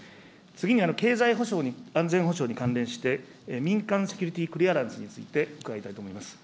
次に改正安全保障に関連して民間セキュリティ・クリアランスについて、伺いたいと思います。